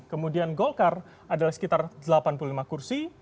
kemudian golkar adalah sekitar delapan puluh lima kursi